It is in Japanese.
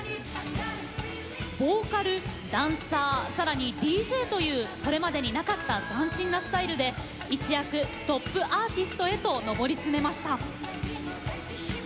ボーカル、ダンサーさらにＤＪというそれまでになかった斬新なスタイルで一躍トップアーティストへと登り詰めました。